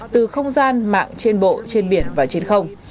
từ không gian mạng trên bộ trên biển và trên không